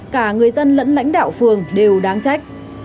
cả người dân lẫn lãnh đạo phường đều đáng trách